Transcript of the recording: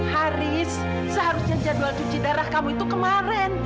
haris seharusnya jadwal cuci darah kamu itu kemarin